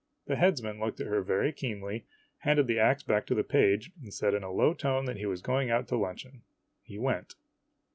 The headsman looked at her very keenly, handed the ax back to the page, and said in a low tone that he was going out to luncheon. He went.